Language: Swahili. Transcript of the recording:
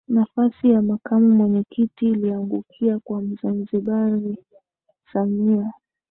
Nafasi ya Makamu Mwenyekiti iliangukia kwa Mzanzibari Samia